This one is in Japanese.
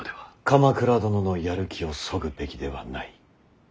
鎌倉殿のやる気をそぐべきではない。